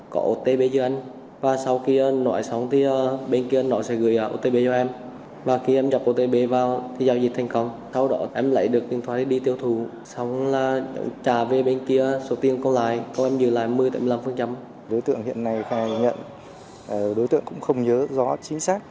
đối tượng hiện nay khai nhận đối tượng cũng không nhớ rõ chính xác